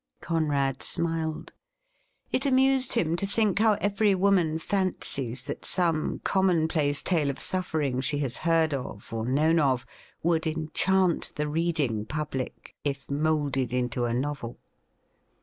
Conrad smiled. It amused him to think how every woman fancies that some commonplace tale of suffering she has heard of or known of would enchant the reading public if moulded into a novel.